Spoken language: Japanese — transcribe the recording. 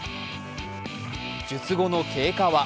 術後の経過は？